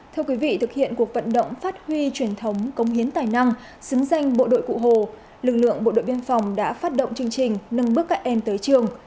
thưa quý vị thực hiện cuộc vận động phát huy truyền thống công hiến tài năng xứng danh bộ đội cụ hồ lực lượng bộ đội biên phòng đã phát động chương trình nâng bước các em tới trường